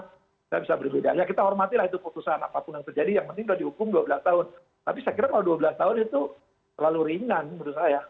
tapi saya kira kalau dua belas tahun itu terlalu ringan menurut saya